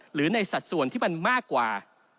หรือในสัดส่วนที่มันมากกว่า